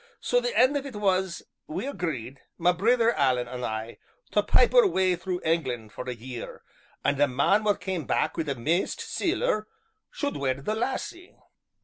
So the end of it was we agreed, ma brither Alan an' I, to pipe oor way through England for a year, an' the man wha came back wi' the maist siller should wed the lassie."